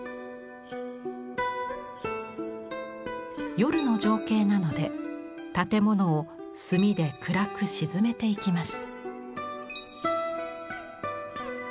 夜の情景なので建物を墨で暗く沈めていきます。